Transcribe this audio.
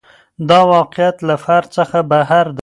دا واقعیت له فرد څخه بهر دی.